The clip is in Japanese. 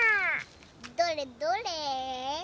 どれどれ？